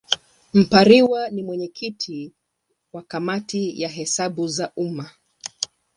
Mpariwa ni mwenyekiti wa Kamati ya Hesabu za Umma.